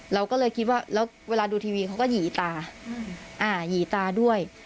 เราก็เลยคิดว่าแล้วเวลาดูทีวีเขาก็หยีตาหยีตาด้วย